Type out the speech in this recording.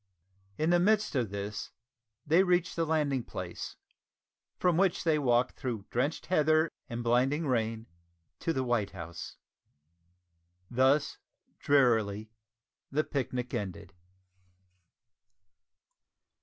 In the midst of this they reached the landing place, from which they walked through drenched heather and blinding rain to the White House. Thus, drearily, the picnic ended!